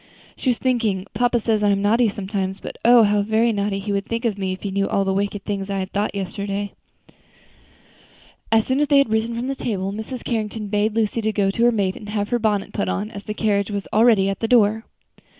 She was thinking, "Papa says I am naughty sometimes, but oh! how very naughty he would think me if he knew all the wicked feelings I had yesterday." As soon as they had risen from the table, Mrs. Carrington bade Lucy go up to her maid to have her bonnet put on, as the carriage was already at the door.